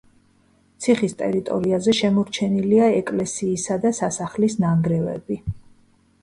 ციხის ტერიტორიაზე შემორჩენილია ეკლესიისა და სასახლის ნანგრევები.